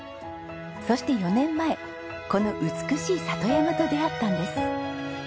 そして４年前この美しい里山と出会ったんです。